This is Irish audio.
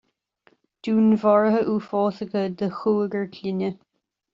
Dúnmharuithe uafásacha de chúigear clainne